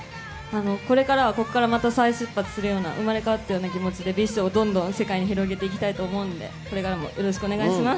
これからはここからまた再出発するような、生まれ変わったような気持ちでＢｉＳＨを世界にどんどん広げていきたいと思うので、これからもよろしくお願いします。